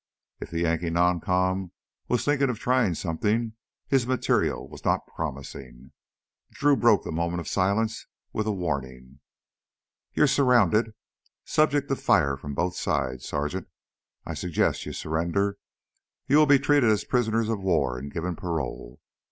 If the Yankee noncom was thinking of trying something, his material was not promising. Drew broke the moment of silence with a warning. "You're surrounded, subject to fire from both sides, Sergeant! I suggest surrender. You will be treated as prisoners of war and given parole.